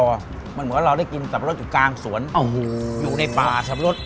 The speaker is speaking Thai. เหมือนเหมือนเราได้กินสับปะรดอยู่กลางสวนโอ้โหอยู่ในป่าสับปะรด